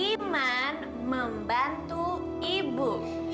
iman membantu ibu